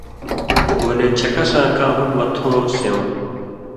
ولے چکساں کا حُکمہ تھو سېوں